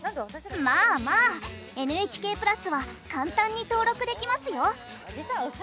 まあまあＮＨＫプラスは簡単に登録できますよ。